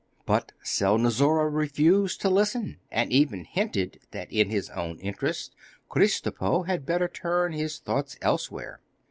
But Selnozoura refused to listen, and even hinted that in his own interest Kristopo had better turn his thoughts elsewhere.